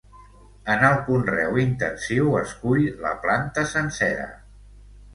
En el conreu intensiu es cull la planta sencera.